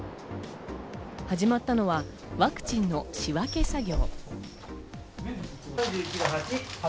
始まったのはワクチンの仕分け作業。